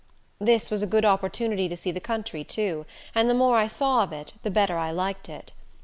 This was a good opportunity to see the country, too, and the more I saw of it, the better I liked it.